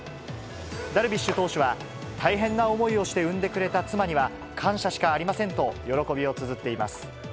ダルビッシュ投手は、大変な思いをして産んでくれた妻には、感謝しかありませんと、喜びをつづっています。